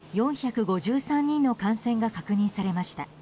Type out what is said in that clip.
今日は４５３人の感染が確認されました。